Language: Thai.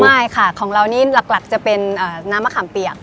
ไม่ค่ะของเรานี่หลักจะเป็นน้ำมะขามเปียก